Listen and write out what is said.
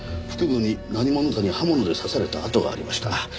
腹部に何者かに刃物で刺された跡がありました。